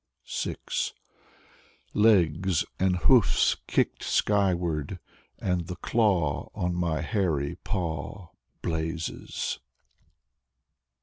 6 Legs And hoofs Kicked skyward And The claw On my hairy paw Blazes.